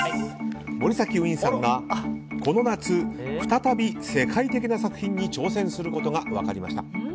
森崎ウィンさんがこの夏、再び世界的な作品に挑戦することが分かりました。